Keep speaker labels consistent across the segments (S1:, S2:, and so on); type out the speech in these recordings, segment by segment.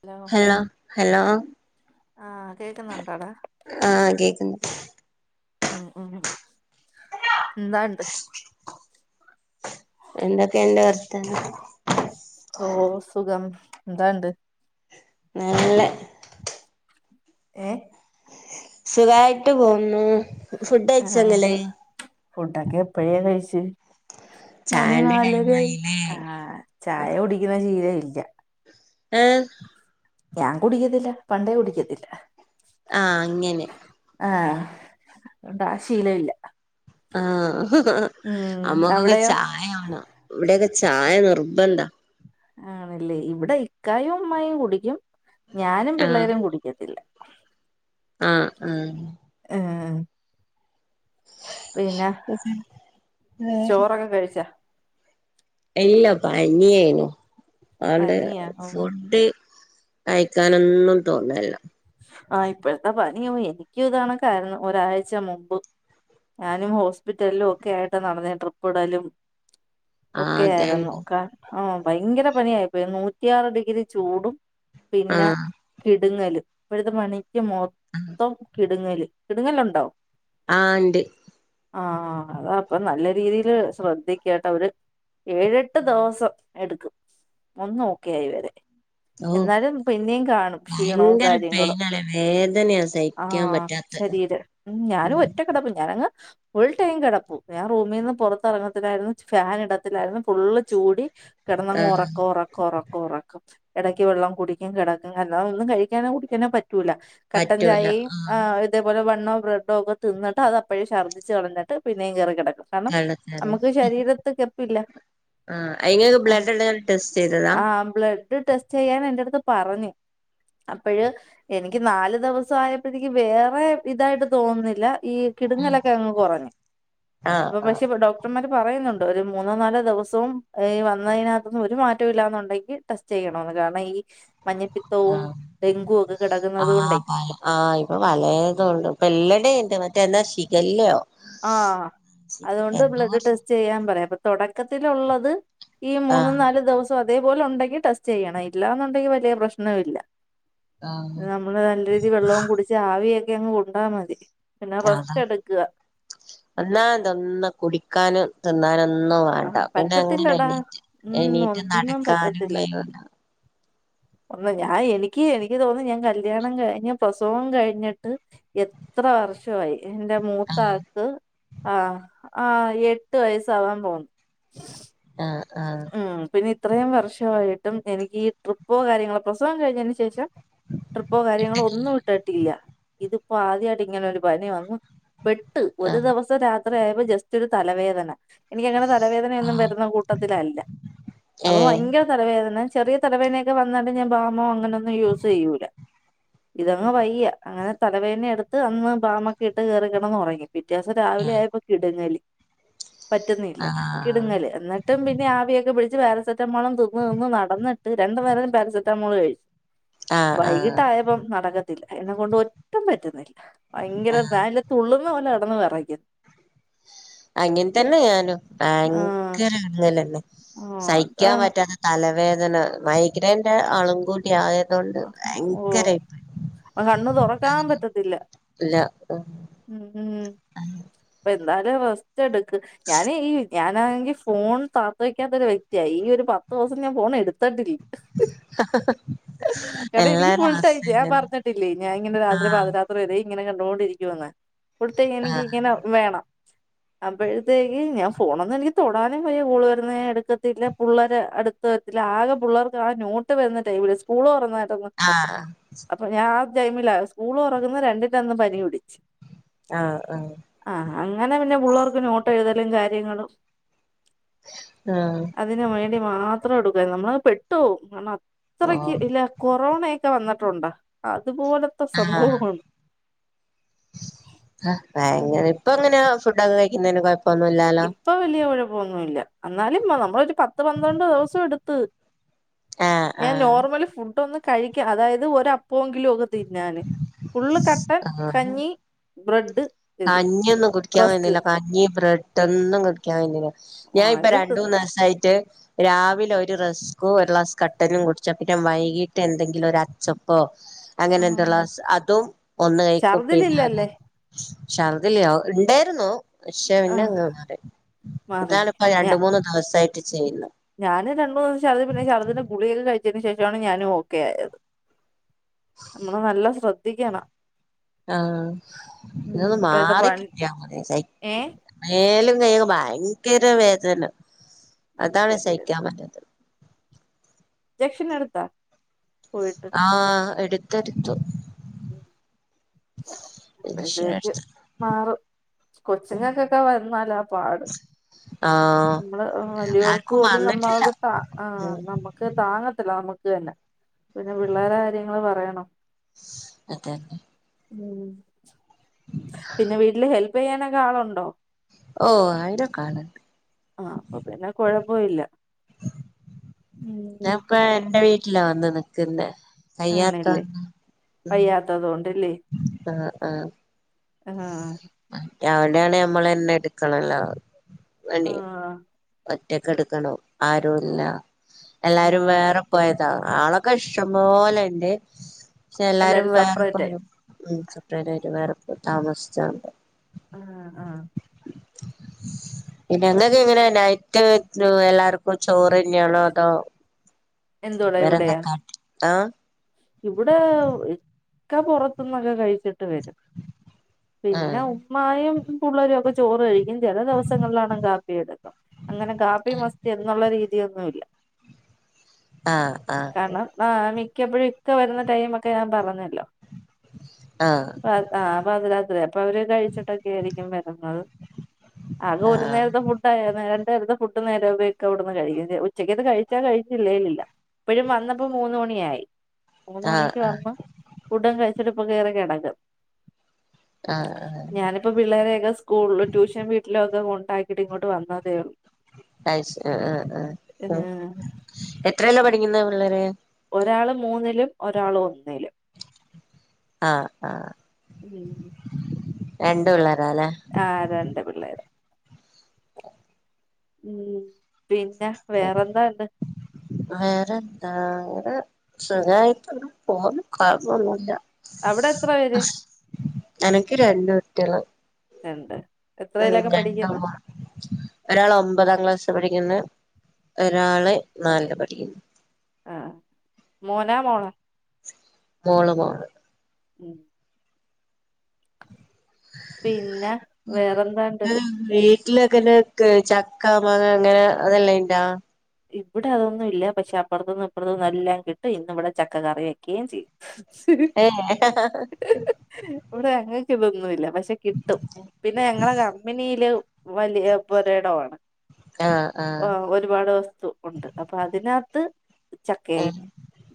S1: Hello ആഹ് കേക്ക്ന്നുണ്ടോടാ
S2: ആഹ് കേക്കുന്ന്
S1: ഉം ഉം എന്താണ്ട്
S2: [inaudible] എന്തൊക്കെയുണ്ട് വർത്താനം
S1: ഓ സുഖം എന്താണ്ട്
S2: നല്ലെ
S1: ഏഹ്
S2: സുഖായിട്ട് പോവുന്നു ഫുഡെയിച്ച
S1: ആഹ്
S2: ങ്ങള്
S1: ഫുഡൊക്കെ എപ്പഴേ കഴിച്ച് മണി
S2: ചായന്റെ
S1: നാലരായി
S2: ടൈമായില്ലേ
S1: ആഹ് ചായ കുടിക്കുന്ന ശീലം ഇല്ല
S2: ഏഹ്
S1: ഞാൻ കുടിക്കത്തില്ല പണ്ടേ കുടിക്കത്തില്ല
S2: ആഹ് അങ്ങനെ
S1: ആഹ് അതുകൊണ്ട് ആ ശീലവില്ല
S2: ആഹ് അമ്മക്കൊക്കെ
S1: അവിടെയോ
S2: ചായ വാണം ഇവിടെയൊക്കെ ചായ നിർബന്ധാ
S1: ആണല്ലേ ഇവിടെ ഇക്കായും ഉമ്മായും കുടിക്കും ഞാനും
S2: ആഹ്
S1: പിള്ളേരും കുടിക്കത്തില്ല
S2: ആഹ് ആഹ്
S1: ആഹ് പിന്നെ ചോറൊക്കെ കഴിച്ചാ
S2: ഇല്ല പനിയേനു അതോണ്ട്
S1: പനിയാ ഓ
S2: ഫുഡ് കഴിക്കാനൊന്നും തോന്നല്ല
S1: ആ ഇപ്പോഴത്തെ പനിയോ എനിക്കും ഇത് കണക്കാരുന്നു ഒരാഴ്ച മുമ്പ് ഞാനും ഹോസ്പിറ്റലിലും ഒക്കെ ആയിട്ട് നടന്നെ ട്രിപ്പ് ഇടലും
S2: ആഹ്
S1: ഒക്കെ ആയിരുന്നു
S2: അതന്നെ
S1: ക ആഹ് ഭയങ്കര പനിയായിപ്പോയി നൂറ്റിയാറ് ഡിഗ്രി ചൂടും പിന്നെ
S2: ആഹ്
S1: കിടുങ്ങലും ഇപ്പഴത്തെ പനിക്ക് മൊത്തം കിടുങ്ങല് കിടുങ്ങൽ ഉണ്ടോ
S2: ആഹ് ഉണ്ട്
S1: ആഹ് അത അപ്പ നല്ല രീതിയില് ശ്രദ്ധിക്കുക കേട്ട ഒര് ഏഴ് ഏട്ട്ദിവസം എടുക്കും ഒന്ന് ഓക്കെയായി വരാൻ
S2: ഓഹ്
S1: എന്നാലും പിന്നെയും കാണും ക്ഷീണോം
S2: ഭയങ്കര
S1: കാര്യങ്ങള്
S2: പെയിനാണ് വേദനയാ സഹിക്കാൻ
S1: ആഹ്
S2: പറ്റാത്ത
S1: ശരീരം ഞാനും ഒറ്റ കിടപ്പ ഞാനങ്ങ് ഫുൾ ടൈം കിടപ്പും ഞാൻ റൂമീന്ന് പുറത്തിറങ്ങത്തില്ലായിരുന്നു ഫാൻ ഇടത്തില്ലായിരുന്നു ഫുള്ള് ചൂടി കിടന്നങ്ങ്
S2: ആഹ്
S1: ഉറക്ക ഉറക്ക ഉറക്ക ഉറക്കം ഇടയ്ക്ക് വെള്ളം കുടിക്കും കിടക്കും അല്ലാതൊന്നും കഴി ക്കാനോ കുടിക്കാനോ പറ്റൂല കട്ടൻ ചായയും ആഹ് ഒര് ഇതേപോലെ ബണോ ബ്രഡോ ഒക്കെ തിന്നട്ട് അതെപ്പഴും ഛർദിച്ച് കളഞ്ഞിട്ട് പിന്നെയും കയറി കിടക്കും കാരണം
S2: കള്ളച്ചാറ്
S1: നമ്മുക്ക് ശരീരത്ത് എത്തൂല
S2: ആ അയിന് ബ്ലഡ് എന്തെങ്കിലും ടെസ്റ്റ് ചെയ്തതാ?
S1: [unintelligible] ബ്ലഡ് ടെസ്റ്റ് ചെയ്യാൻ ഏറ്റെടുത്ത് പറഞ്ഞു അപ്പോഴ എനിക്ക് നാല് ദിവസായപ്പോഴേക്ക് വേറെ ഇതായിട്ട് തോന്നുന്നില്ല ഈ-
S2: ഉം
S1: കിടുങ്ങലൊക്കെ അങ്ങ് കുറഞ്ഞു
S2: ആഹ്
S1: അപ്പൊ പക്ഷെ
S2: ആഹ്
S1: ഡോക്- ഡക്ടർമാര് പറയുന്നുണ്ട് ഒരു മൂന്നോ നാലോ ദിവസവും വന്നതിനകത്തന്നും ഒരു മാറ്റം ഇല്ലന്നുണ്ടെങ്കിൽ ടെസ്റ്റ് ചെയ്യണന്ന് കാരണം ഈ മഞ്ഞപ്പിത്തവും
S2: ആഹ്
S1: ഡെങ്കുവ ഒക്കെ കിടക്കുന്നത് കൊണ്ട്
S2: ആഹ് ആഹ് ഇപ്പൊ പലേതും ഇപ്പൊ എല്ലാതുണ്ട് മറ്റേ എന്നാ ശീഖലയോ
S1: ആഹ് അതുകൊണ്ട് ബ്ലഡ്
S2: ഒരു സാ
S1: ടെസ്റ്റ് ചെയ്യാൻ പറയാം അപ്പൊ തുടക്കത്തിലുള്ളത് ഈ മൂന്നും
S2: ആഹ്
S1: നാല് ദിവസം അതേപോലെ ഉണ്ടെങ്കിൽ ടെസ്റ്റ് ചെയ്യണം ഇല്ലന്നുണ്ടെങ്കിൽ വലിയ പ്രശ്നവും ഇല്ല
S2: ആഹ്
S1: നമ്മള് നല്ല രീതിൽ വെള്ളവും കുടിച്ച് ആവിയൊക്കെ അങ്ങ് കൊണ്ടാ മതി പിന്നെ റസ്റ്റ് എടുക്കുക
S2: എന്നാ എന്തൊന്ന് കുടികാൻ തിന്നാനൊന്നും വേണ്ട
S1: ആഹ്
S2: പിന്നെ അങ്ങനെ
S1: പറ്റത്തില്ലടാ
S2: എണീറ്റ്
S1: ഉം
S2: എണീറ്റ്
S1: ഒന്നും
S2: നടക്കാനും
S1: പറ്റത്തില്ല
S2: കഴിയൂല
S1: ഒന്ന് ഞാൻ എനിക്ക് എനിക്ക് തോന്നുന്നു ഞാൻ കല്യാണം കഴിഞ്ഞിട്ട് പ്രസവം കഴിഞ്ഞിട്ട് എത്ര വർഷം എന്റെ
S2: ആഹ്
S1: മൂത്താക്ക് ആ ആ എട്ട് വയസ്സാവാൻ പോകുന്നു [unintelligible]
S2: ആ ആ
S1: ഉ പിന്നെ ഇത്രയും വർഷമായിട്ടും എനിക്ക് ഈ ട്രിപ്പൊ കാര്യങ്ങളോ പ്രസവം കഴിഞ്ഞതിന് ശേഷം- ട്രിപ്പോ കാര്യങ്ങളോ ഒന്നും ഇട്ടിട്ടില്ല ഇതിപ്പോ ആദ്യമായിട്ട് ഇങ്ങനെ ഒരു പനി വന്നു പെട്ട് ഒരു
S2: ആഹ്
S1: ദിവസം രാത്രി ആയപ്പോൾ ജസ്റ്റ് ഒരു തലവേദന എനിക്ക്ങ്ങനെ തലവേദനയൊന്നും
S2: ആഹ്
S1: വരുന്ന കൂട്ടത്തിലല്ല അപ്പൊ
S2: ഏഹ്
S1: ഭയങ്കര- തലവേദന ചെറിയ തലവേനയക്കെ വന്നാൽ ഞാൻ ബാമോ അങ്ങനെൊന്നും യൂസ് ചെയ്യൂല ഇതങ്ങ് വയ്യ അങ്ങനെ തലവേദനയ എടുത്ത് അന്ന് ബാമൊക്കെ ഇട്ട് കേറി കിടന്നുഉറങ്ങി പിറ്റേദിവസം രാവിലെ ആയപ്പോ കിടുങ്ങല് പറ്റുന്നില്ല
S2: ആഹ്
S1: കിടുങ്ങല് എന്ന- ഇട്ടും പിന്നെ ആവിയൊക്കെ പിടിച്ച് പാരസെറ്റമോൾ തിന്ന് തിന്ന് നടന്നിട്ട് രണ്ടു നേരം പാരസെറ്റാമോൾ കഴിച്ചു
S2: ആഹ് ആഹ്
S1: വൈകിട്ടായപ്പം നടക്കത്തില്ല എന്നെ കൊണ്ട് ഒട്ടും പറ്റുന്നില്ല ഭയങ്കര ഫാ തുള്ളുന്ന പോലെ കിടന്നു വിറക്ക
S2: അങ്ങനെത്തന്നെ ഞാനും
S1: ആഹ്
S2: ഭയങ്കര അങ്ങനെ
S1: ആഹ്
S2: സഹിക്കാൻ
S1: അതാണ്
S2: പറ്റാത്ത- തലവേദന മൈഗ്രേന്റെ ആളും കൂട്ടി ആയത് കൊണ്ട് ഭയങ്കര ആയിപ്പോയി
S1: ഇപ്പോ കണ്ണ് തുറക്കാൻ പറ്റത്തില്ല
S2: ഇല്ല
S1: ഉ ഉ എന്നാൽ റസ്റ്റ് എടുക്ക് ഞാന് ഈ ഞാനാണെങ്കിൽ ഫോൺ താഴ്ത്ത് വെക്കാത്ത ഒരു വ്യക്തി ഈ ഒരു പത്ത് ദിവസം ഞാൻ ഫോൺ എടുത്തിട്ടില്ല
S2: ഹ് ഹ് ഹ്
S1: എടി എനിക്ക് ഫുൾട്ടായി ഞാ പറഞ്ഞട്ടില്ല ഞാൻ ഇങ്ങനെ
S2: ആഹ്
S1: പാതിരാത്രി വെറുതെ ഇങ്ങനെ കണ്ടൊണ്ടിരിക്കുവന്ന് ഫുൾടൈം വേണം എനിക്ക്
S2: ആഹ്
S1: ഇങ്ങനെ വേണം അപ്പോഴത്തേക്ക് ഞാൻ ഫോണൊന്നും എനിക്ക് തൊടാനും വയ്യ കോള് വരുന്ന എടുക്കത്തില്ല പുള്ളള്ളേരെ അടു- ത്തില്ല ആകെ പിള്ളേർക്ക് ആ നോട്ട് വരുന്നടൈമബിൽ സ്കൂള് തൊറന്ന
S2: ആഹ്
S1: അപ്പൊ ഞാൻ ആ ടൈമില സ്കൂള് തുറക്കുന്ന രണ്ടിന്റെ അന്ന് പനി പിടിച്ച്
S2: ആഹ് ആഹ്
S1: ആഹ് അങ്ങനെ പിന്നെ പുള്ളേർക്ക് നോട്ട് എഴുതലും കാര്യങ്ങളും
S2: ആഹ്
S1: അതിന് വേണ്ടി മാത്രം എടുക്ക നമ്മളങ് പെട്ടു പോകും കാരണം
S2: ഓ
S1: അത്രയ്ക്ക് അല്ല കൊറോണയൊക്കെ വന്നിട്ടുണ്ടോ അതുപോലത്തെ സംഭവമാണ്
S2: ആഹ് ഭയങ്കര ഇപ്പ എങ്ങനെയാ ഫുഡൊക്കെ കഴിക്കുന്നതിന് കൊഴപ്പൊന്നുല്ലാലോ?
S1: ഇപ്പൊ വല്യ കുഴപ്പൊന്നുല്ല എന്നാലും നമ്മളൊരു പത്ത് പന്ത്രണ്ട് ദിവസം എടുത്ത്
S2: ആഹ്
S1: ഞാൻ
S2: ആഹ്
S1: നോർമൽ ഫുഡ്‌ ഒന്ന് കഴിക്ക അതായത് ഒര പ്പോങ്കിലോക്കെ തിന്നാന് ഫുള്ള് കട്ടൻ കഞ്ഞി ബ്രെഡ്. ഇത്
S2: കഞ്ഞിയൊന്നു കുടിക്ക്യാ
S1: റസ്ക്
S2: വൈണില്ല കഞ്ഞി ബ്രെഡൊന്നും കു ക്ക്യാ കയ്ന്നില്ല
S1: ആ
S2: ഞാ ഇപ്പ
S1: ഇത്
S2: രണ്ട് മൂന്നെവസായിട്ട്. രാവിലൊരു റെസ്കു ഒരു ളാസ് കട്ടനും കുട്ച്ചാ പിന്നെ വൈകീട്ട് എന്തെങ്കിലു ഒരച്ചപ്പോ.
S1: ആ
S2: അങ്ങനെന്തേ ളാസ്‌ അതും ഒന്ന് കഴിക്കും പിന്നെ
S1: ഛർദിലില്ലല്ലേ
S2: ശര്ദില്യോ ഇണ്ടേര്ന്നു. പക്ഷെ
S1: ആ
S2: പിന്നെങ് മാറി
S1: മാറി
S2: അതാണ് പ്പ
S1: ഞ
S2: രണ്ട് മൂന്ന് ദിവസായ്ട്ട് ചെയ്യുന്നെ.
S1: ഞാന് രണ്ട് മൂന്ന് ദിവസം ശറ്ദി പിന്നെ ശർദിന്റെ ഗുളികെക്കെ കഴിച്ചെനു ശേഷമാണ് ഞാന് ഓക്കെ ആയത്. മ്മള് നല്ലോം ശ്രദ്ധിക്കണം.
S2: ആഹ്
S1: ഉം
S2: തൊന്ന്
S1: ഇപ്പഴത്തെ പണി
S2: മാറിക്കിട്ട്യമത്യേനി സയ്
S1: ഏ
S2: മേലും കയ്യൊക്കെ ഭയങ്കര വേദന അതാണ്
S1: ശരി
S2: സഹിക്കാൻ പറ്റാതെ.
S1: ജെക്ഷൻ എടുത്തോ.
S2: ആഹ് എടുത്തെടുത്തു.
S1: ഉം. അപ്പഴത്തേക്ക്
S2: ഇൻഷുറൻസ്
S1: മാറും കൊച്ചുങ്ങക്കൊക്കെ വന്നാല പാട്.
S2: ആഹ്.
S1: മ്മള് വല്യോർക്കു
S2: ആർക്കും
S1: പോലും
S2: വന്നിട്ടില്ല
S1: നമ്മളക് സ ആഹ്
S2: ഉം
S1: നമ് ക്ക് താങ്ങത്തില്ല നമക്ക് തന്നെ പിന്നെ പിള്ളേരെ കാര്യങ്ങള് പറയണോ.
S2: അതെന്നെ.
S1: ഉം പിന്നെ വീട്ട്ല് ഹെൽപെയ്യാനൊക്കെ ആളുണ്ടോ.
S2: ഓഹ് അയ്ൻ്റൊക്കാള്ണ്ട്.
S1: ആഹ് അപ്പ പിന്നെ കൊഴപ്പയില്ല.
S2: ഞാപ്പ എന്റെ വീട്ടിലാ വന്ന് നിക്കുന്നെ വയ്യാത്ത കാരണ ഉം.
S1: തതോണ്ട് ലേ.
S2: ആഹ് ആഹ്.
S1: ആഹ്.
S2: അ അവിടേണേ നമ്മളെന്നെ എടുക്കണല്ലോ
S1: ആ
S2: പണി. ഒറ്റക്കെടുക്കണൊ ആരുല്ല
S1: ആ
S2: എല്ലാരും വേറെ പോയ താ ആളൊക്കെ ഇഷ്ടംപോലെണ്ട് ക്ഷെ എല്ലാരും വേറെ
S1: സെപ്പറേറ്റ് ആയി
S2: പോയതൊ ഉം സെപ്രൈറ്റായിട്ട് വേറെ പോയി താമസിച്ചാണ്ട്.
S1: ആഹ് ആഹ്.
S2: പിന്നെന്തൊക്കെ ങ്ങനെ. നൈറ്റ് നു എല്ലാർക്കും ചോറന്ന്യേണോ അതോ.
S1: എന്തുവാടാ
S2: വേറെന്തക്കെ ആഹ്.
S1: ഇവ്ടെ ഇക്ക പൊറത്ത്ന്നൊക്കെ കഴിച്ചിട്ട് വരും പിന്ന
S2: ആഹ്
S1: ഉ മ്മായും പുള്ളരു ഒക്കെ ചോറ് കഴിക്കും ചെല ദിവസങ്ങളിലാണെല് കാപ്പിയെടുക്കും. അങ്ങനെ കാപ്പി മസ്റ്റ്‌ എന്നുള്ള രീതിയൊന്നുല്ല.
S2: ആഹ് ആഹ്.
S1: ആഹ് മിക്കപ്പഴു ഇക്ക വരുന്ന ടൈമൊക്കെ ഞാ പറഞ്ഞല്ലോ.
S2: ആഹ്.
S1: പാ ആ പദരാത്രിയ അപ്പ അവര് കഴിച്ചിട്ടൊക്കെ ആയിരിക്കും വരുന്നത്. ആകെ ഒരു നേരത്തെ ഫു ഡ്ന്ന് രണ്ട് നേരത്തെ ഫുഡ് നേരെ ഉപയോഗിക്ക അവിടുന്ന് കഴിക്യു ചെ ഉച്ചക്കത്ത കഴിച്ചാ കഴിച്ചില്ലേലില്ല. പ്പഴും വന്നപ്പ മൂന്ന്‌ മണിയായി. മൂന്ന്‌
S2: ആഹ്
S1: മണിക്ക്
S2: ആഹ്
S1: വന്ന് ഫുഡും കഴിച്ചിട്ട് ഇപ്പൊ കേറി കെടക്കും.
S2: ആഹ് ആഹ് അതെ.
S1: പ്പ പിള്ളേരെയൊക്കെ സ്കൂൾല് ട്യൂഷൻ വീട്ടിലൊക്കെ കൊണ്ടാക്കിട്ടിങ്ങോട്ട് വന്നതേ ള്ളൂ.
S2: ടൈശ് അ അ അ അ അ
S1: ഏഹ്
S2: എത്രയെല്ലാ പഠിക്ക്യുന്ന പിള്ളേര്.
S1: ഒരാള് മൂന്നിലും ഒരാൾ ഒന്നിലും.
S2: ആഹ് ആഹ്.
S1: ഉം
S2: രണ്ട് പിള്ളേരാല്ലേ
S1: ആഹ് രണ്ട് പിള്ളേര് ഉം പിന്നെ വേറെന്താണ്ട്
S2: വേറെന്ത ങ്ങനെ സുഖയിട്ട് പോകുന്നു കൊഴപ്പൊന്നുല്ല
S1: അവിടെ എത്ര പേര്
S2: അനക്ക് രണ്ടു കുട്ടിയള്
S1: രണ്ട് എത്രയിലൊക്കെ പഠിക്കുന്ന്‌
S2: രണ്ടാളാ ഒരാള് ഒമ്പതാം ക്ലാസ് പഠിക്കുന്നെ ഒരാള് നാല പഠിക്കുന്നു
S1: ആഹ് മോനാ മോള
S2: മോള് മോള്
S1: ഉം പിന്നെ വേറെന്താണ്ട്
S2: വീട്ടിലൊക്കെന്നെ ചക്ക മാങ്ങ അങ്ങനെ അതെല്ലാം ഇണ്ടാ
S1: ഇവിടെ അതൊന്നും ഇല്ല പക്ഷെ അപ്പറത്തുന്നും ഇപ്പുറത്തും എല്ലാം കിട്ടും ഇന്ന ഇവിടെ ചക്കറി കെ ചെയ്യും
S2: ഏഹ്
S1: ഇവിടെ ഞങ്ങക്ക്‌ ഇതൊന്നുമല്ല പക്ഷെ കിട്ടും പിന്നെ ഞങ്ങളെ കമ്പനിയില് വലിയ പൊരടമാണ്
S2: ആഹ് ആഹ്
S1: ഒ ഒരുപാട് വസ്തു ഉണ്ട് അപ്പൊ അതിനകത്ത് ചക്കയിൽ
S2: ആഹ്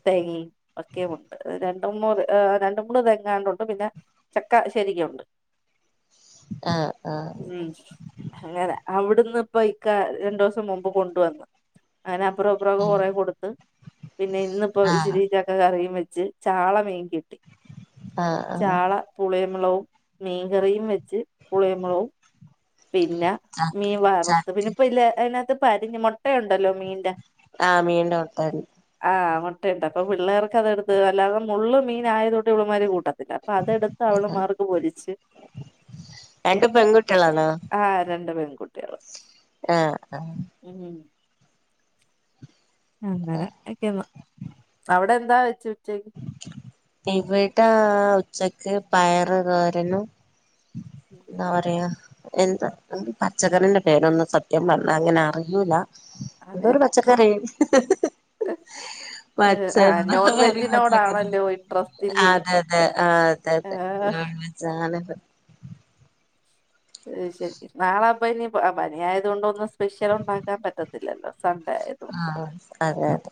S1: തേങ്ങ ഒക്കെയ ഉണ്ട് രണ്ട് മൂ രണ്ട മൂന്ന് തെങ്ങാണ്ട ഉണ്ട് പിന്നെ ചക്ക ശരിക്കും ഉണ്ട്
S2: ആഹ് ആഹ്
S1: ഉം അങ്ങന അവിടുന്ന് ഇപ്പൊ ഇക്ക രണ്ടു ദിവസം മുമ്പ് കൊണ്ടുവന്നു അങ്ങനെ അപ്പുറം അപ്പുറംക്കെ കൊറെ കൊടുത്ത് പിന്നെ ഇന്ന ഇപ്പോ
S2: ആഹ്
S1: ഇച്ചരി ച്ച കറിയും വെച്ച് ചാള മീൻ കിട്ടി
S2: ആഹ് ആഹ്
S1: ചാള പുളിമുളവും മീൻകറിയും വെച്ച് പുളിമുളവും പിന്നെ
S2: ചാക്ക്
S1: മീൻ വറുത്ത്
S2: ചാക്ക്
S1: പിന്ന ഇപ്പ ല്ല് അതിനകത്ത് പരിഞ് മുട്ടുണ്ടല്ലോ മീന്റെ
S2: ആഹ് മീന്റ [unintelligible]
S1: ആഹ് മുട്ടയുണ്ട് അപ്പൊ പിള്ളേർക്ക് അത് എടുത്ത് അല്ലാതെ മുളള് മീൻ ആയതോണ്ട് ഇവളമാര് കൂട്ടാ തില്ല അപ്പൊ അതെടുത്ത് അവള്മാർക്ക് പൊരിച്ച്
S2: രണ്ട് പെൺകുട്ടികളാണോ
S1: ആഹ് രണ്ട് പെൺകുട്ടികള്
S2: ആഹ് ആഹ്
S1: ഉം അങ്ങനെക്ക ന്ന് അവിടെ എന്താ വെച്ച ഉച്ച
S2: ഇവിടെ ഉച്ചക്ക് പയറ് തോരനും നവരയോ എന്താ [unintelligible] പച്ചകറിന്റെ പേരൊന്നും സത്യം പറഞ്ഞാ അങ്ങനെ അറിയൂല
S1: അതെ
S2: എന്തോരു പച്ചക്കറി പച്ച
S1: ആഹ്
S2: [unintelligible]
S1: നോൺ
S2: അങ്ങന
S1: വെജിനോടാണല്ലോ ഇൻട്രസ്റ്റ് ഇല്ലേ
S2: അതെ അതെ ആഹ് അതെ അതെ
S1: ആഹ്
S2: നോൺവേജണ്
S1: ശെരി നാളെ അപ്പൊനി പനി ആയത് കൊണ്ട് ഒന്ന് സ്പെഷ്യൽ ഉണ്ടാക്കാൻ പറ്റത്തില്ലല്ലോ സൺഡേ ആയതും
S2: ആഹ് അതെ അതെ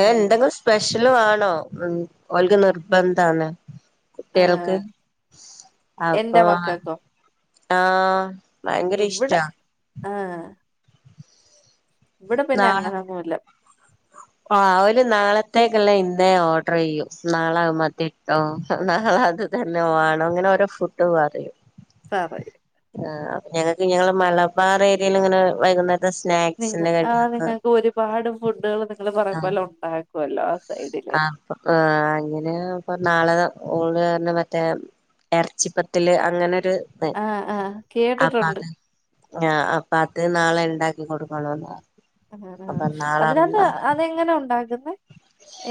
S2: ഏഹ്
S1: ഉം
S2: എന്തെങ്കിലും സ്പെഷ്യല് വാണോ ഉം ഓക്ക് നിർബന്ധാണ് കുട്ടികൾക്ക്
S1: ആഹ്
S2: അപ്പൊ
S1: എന്റെ മക്കൾക്കോ
S2: ആഹ് ഭയങ്കര
S1: ഇവിടെ
S2: ഇഷ്ടാ
S1: ആഹ് ഇവിടെ പിന്നെ അങ്ങനൊന്നുല്ല
S2: ആ അവര് നാളത്തേക്കുള്ള ഇന്നേ ഓർഡർ ചെയ്യും നാളെത് മതി ഓ നാളെ അത് തന്നെ വാണം അങ്ങനെ ഓരോ ഫുഡ് പറിം
S1: പറയും
S2: ആ അപ്പൊ ഞങ്ങക്ക് ഞങ്ങളെ മലബാർ ഏരിയയിൽ ഇങ്ങനെ വൈകുന്നേരത്തെ സ്നാക്സി ക
S1: ആ നിങ്ങൾക്ക് ഒരുപാട് ഫുഡുകൾ നിങ്ങള് പറയും പോലെ ഉണ്ടാക്കുമല്ലോ
S2: ആ ആ ഇങ്ങനെ ഇപ്പൊ നാളെ ഓള്ന്ന മറ്റേ ഇറച്ചിപ്പത്തില് അങ്ങനൊരു ത്
S1: ആഹ് ആഹ്
S2: അപ്പ
S1: കേട്ടിട്ടുണ്ട്
S2: അത് ആ അപ്പ അത് നാളെ ഇണ്ടാക്കി കൊടുക്കണോന്ന് പർ
S1: അ ആ അതിനാത്ത് എങ്ങനെ ഉണ്ടാകുന്നെ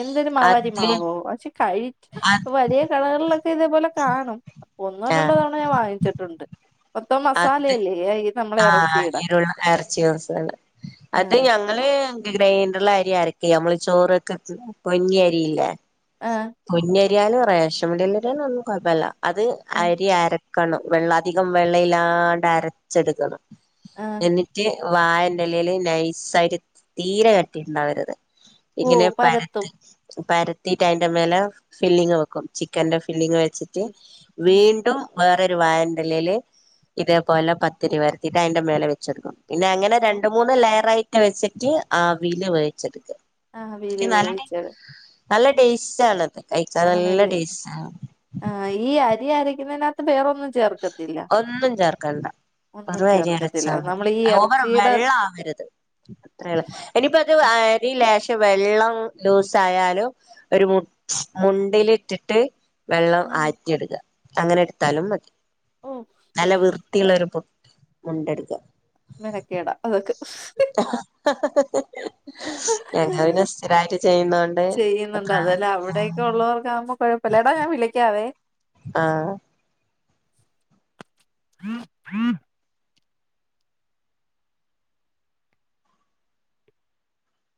S1: എന്തിരു മാവ്
S2: അത്
S1: അരിമാവോ പക്ഷെ കഴിക്
S2: അത്
S1: വലിയ കടകളിലൊക്കെ ഇതേപോലെ കാണും ഒന്നോ രണ്ടോ
S2: ആ
S1: തവണ ഞാൻ വാങ്ങിച്ചിട്ടുണ്ട് മൊത്തം മസാലയല്ലേ അയി
S2: ആ എരുള്ള എറച്ചി മസാല അത്
S1: ആഹ്
S2: ഞങ്ങള് ഗ്രൈൻഡറില് അരി ആരക്കേയ് അമ്മള് ചോറൊക്ക്ണ്ട പൊന്നി അരിയില്ലേ
S1: ആഹ്
S2: പൊന്നിരിയാലും റേഷൻപീടീലരി ആണേലും ഒന്നും കുഴപ്പല്ല അത്
S1: ആഹ്
S2: അരി അര ക്കണം വെള്ള അധികം വെള്ളയില്ലാണ്ട് അരച്ചെടുക്കണം
S1: ആഹ്
S2: എന്നിട്ട് വായന്റെ ഇലേല് നൈസായിട്ട് തീരെ കട്ടിയുണ്ടാവരുത്
S1: ഓ
S2: ഇങ്ങനെ
S1: പരത്തും
S2: പരത്ത് പരത്തീട്ട് അതിന്റെ മേലെ ഫില്ലിങ്ങ് വെക്കും ചിക്കന്റെ ഫില്ലിങ്ങ് വെച്ചിട്ട്
S1: ആഹ്
S2: വീണ്ടും വേറൊരു വായൻറെലില് ഇതേപോലെ പ തിരിവരുത്തിട്ട് അതിന്റെ മേലെ വെച്ചെടുക്കും പിന്നെ അങ്ങനെ രണ്ട് മൂന്ന് ലെയറായി വെച്ചിട്ട് ആവില് വേവിച്ചെടുക്ക
S1: ആവിയിൽ
S2: ക്ക് നാലണ്ണേയ്
S1: വേവിച്ചത്
S2: നല്ല ടേസ്റ്റ് ആളളത്
S1: ആണല്ലേ ആ ഈ അരി അരക്കുന്നതിനകത്ത് വേറൊന്നും ചേർക്ക
S2: ഒന്നും ചേർക്കണ്ട വെറും അരി
S1: ചേർക്കത്തില്ല
S2: അരച്ചാ മതി
S1: നമ്മൾ ഈ
S2: ഓവർ
S1: ഇറച്ചിയുടെ
S2: വെള്ള ആവരുത് അത്രയുള്ള് ഇനിയിപ്പ അത് അരി ലേശം വെള്ളം ലൂസ ആയാലും ഒരു മുൺ മുണ്ടിലിട്ടിട്ട് വെള്ളം ആറ്റിഎടുക്ക അങ്ങനെ എടുത്താലും മതി
S1: ഉം
S2: നല്ല വൃത്തിയുള്ള ഒരു പൊ മുണ്ടെടുക്കുക
S1: മെനക്കേടാ അതൊക്കെ
S2: [unintelligible] ഞങ്ങ പിനെ സ്ഥിരായിട്ട് ചെയ്യുന്ന കൊണ്ട് അത്ര
S1: ഉള്ളവർക്ക ആവുമ്പോ കുഴപ്പല്ല എടാ ഞാൻ വിളിക്കാവേ
S2: ആഹ്
S1: [unintelligible]